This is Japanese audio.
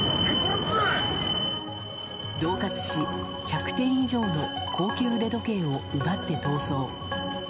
恫喝し、１００点以上の高級腕時計を奪って逃走。